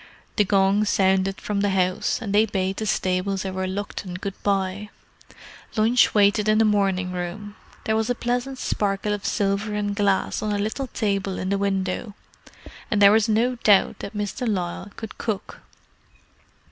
The gong sounded from the house, and they bade the stables a reluctant good bye. Lunch waited in the morning room; there was a pleasant sparkle of silver and glass on a little table in the window. And there was no doubt that Miss de Lisle could cook.